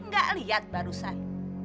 gak liat barusan